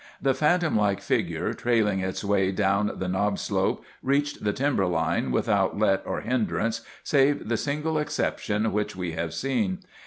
The phantom like figure trailing its way down the knob slope reached the timberline without let or hindrance save the single exception which we have seen.